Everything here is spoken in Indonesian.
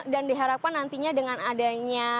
dan diharapkan nantinya dengan adanya